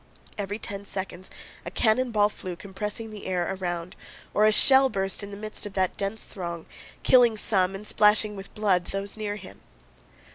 Every ten seconds a cannon ball flew compressing the air around, or a shell burst in the midst of that dense throng, killing some and splashing with blood those near them.